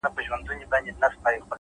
نوش جان دې شه مزې کوه بچکه